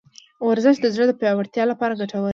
ورزش د زړه د پیاوړتیا لپاره ګټور دی.